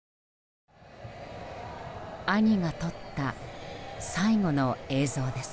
兄が撮った最後の映像です。